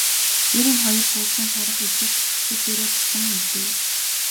Эр эм хоёр суусрын шарх эдгэрч хөл дээрээ босон ирлээ.